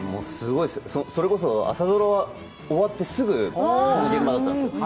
それこそ朝ドラが終わってすぐ、映画の現場だったんですよ。